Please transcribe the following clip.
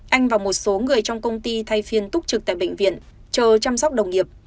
anh và một số người trong công ty thay phiên túc trực tại bệnh viện chờ chăm sóc đồng nghiệp